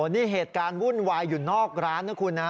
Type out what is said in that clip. นี่เหตุการณ์วุ่นวายอยู่นอกร้านนะคุณนะ